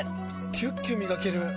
キュッキュ磨ける！